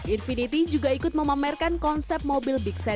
infiniti juga ikut memamerkan konsep mobil big sedan